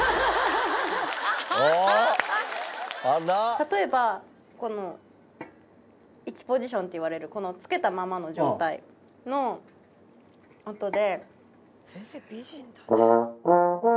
例えばこの１ポジションっていわれるこの付けたままの状態の音で。